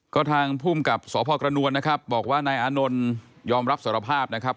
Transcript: ก็ทางภูมิกับสพกระนวลนะครับบอกว่านายอานนท์ยอมรับสารภาพนะครับ